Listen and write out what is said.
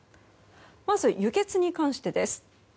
まず輸血に関してです。